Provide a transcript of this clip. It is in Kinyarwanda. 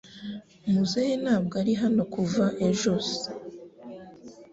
muzehe ntabwo ari hano kuva ejos